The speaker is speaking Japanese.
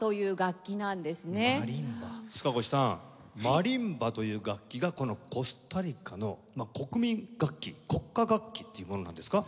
マリンバという楽器がコスタリカの国民楽器国家楽器というものなんですか？